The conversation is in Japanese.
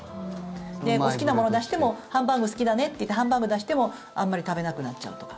好きなものを出してもハンバーグ好きだねっていってハンバーグ出してもあまり食べなくなっちゃうとか。